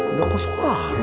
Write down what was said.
udah kos kual